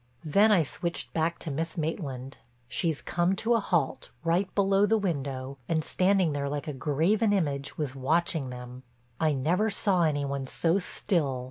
Then I switched back to Miss Maitland. She's come to a halt, right below the window, and, standing there like a graven image, was watching them. I never saw any one so still.